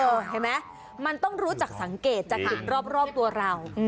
เห็นไหมมันต้องรู้จักสังเกตจากจุดรอบตัวเรา